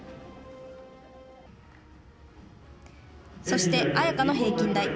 そして、彩夏の平均台。